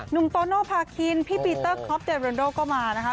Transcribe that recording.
โตโนภาคินพี่ปีเตอร์คอปเดเรนโดก็มานะคะ